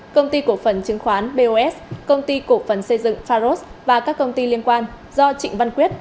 công ty cổ phần chứng khoán bos công ty cổ phần xây dựng pharos và các công ty liên quan do trịnh văn quyết